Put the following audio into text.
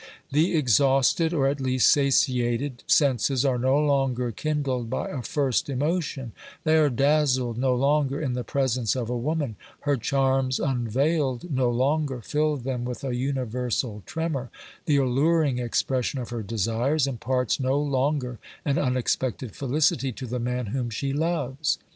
The exhausted, or at least satiated, senses are no longer kindled by a first emotion ; they are dazzled no longer in the presence of a woman ; her charms unveiled no longer fill them with a universal tremor ; the alluring expression of her desires imparts no longer an unexpected felicity to the man whom she loves.